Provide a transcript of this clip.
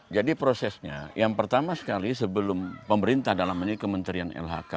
jadi prosesnya yang pertama sekali sebelum pemerintah dalam hal ini kementerian lhk